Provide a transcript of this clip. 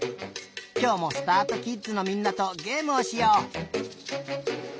きょうもすたあとキッズのみんなとゲームをしよう。